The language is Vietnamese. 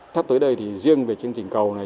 sắp tới đây thì riêng về chương trình cầu này